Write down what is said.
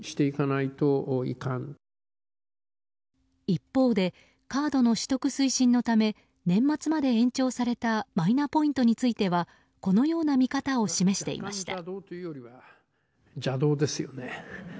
一方でカードの取得推進のため年末まで延長されたマイナポイントについてはこのような見方を示していました。